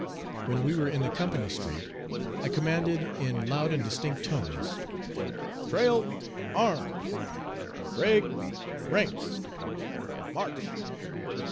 When we were in the company street, I commanded in loud and distinct tone, "Trail arms! Break ranks! March!"